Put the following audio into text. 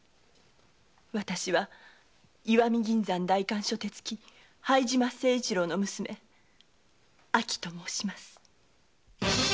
私は石見銀山代官所手付配島誠一郎の娘・亜希と申します。